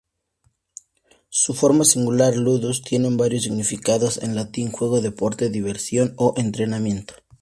Su forma singular, "ludus" tiene varios significados en latín "juego", "deporte", "diversión" o "entrenamiento".